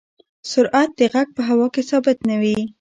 سرعت د غږ په هوا کې ثابت نه وي.